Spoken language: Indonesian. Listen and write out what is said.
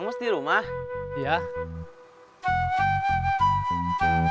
pasti kamu tahu divine